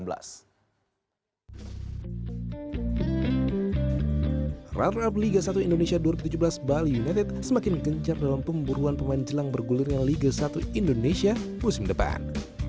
ratu liga satu indonesia dua ribu tujuh belas bali united semakin gencar dalam pemburuan pemain jelang bergulirnya liga satu indonesia musim depan